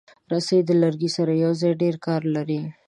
رسۍ د لرګي سره یوځای ډېر کار لري.